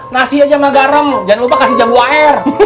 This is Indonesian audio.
nasi aja sama garam jangan lupa kasih jambu ar